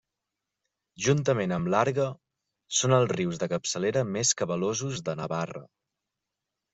Juntament amb l'Arga són els rius de capçalera més cabalosos de Navarra.